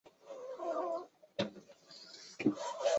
母何氏。